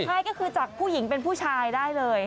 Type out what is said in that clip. ใช่ก็คือจากผู้หญิงเป็นผู้ชายได้เลย